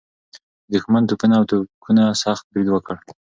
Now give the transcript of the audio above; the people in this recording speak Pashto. د دښمن توپونه او توپکونه سخت برید وکړ.